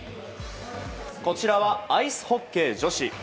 こちらはアイスホッケー女子。